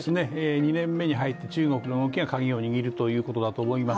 ２年目に入って、中国の動きがカギを握るということだと思います。